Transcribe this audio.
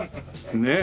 ねえ。